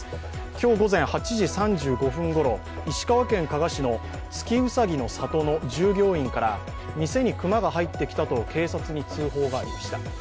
今日午前８時３５分ごろ石川県加賀市の月うさぎの里の従業員から店に熊が入ってきたと警察に通報がありました。